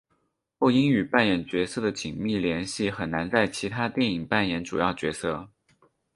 后因与扮演角色的紧密联系很难在其他电影扮演主要角色。